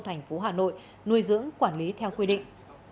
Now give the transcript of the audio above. thành phố hà nội nuôi dưỡng quản lý theo quy định